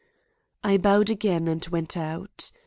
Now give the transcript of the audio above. I bowed again and went out.